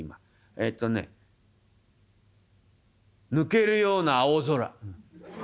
えっとね抜けるような青空。